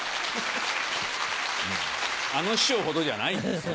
あの師匠ほどじゃないんですよ。